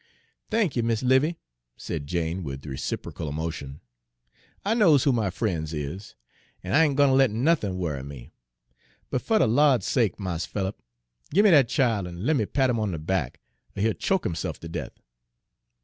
"Thank y', Mis' 'Livy," said Jane with reciprocal emotion, "I knows who my frien's is, an' I ain' gwine ter let nothin' worry me. But fer de Lawd's sake, Mars Philip, gimme dat chile, an' lemme pat 'im on de back, er he'll choke hisse'f ter death!"